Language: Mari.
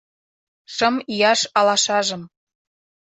Шым ияш алашажым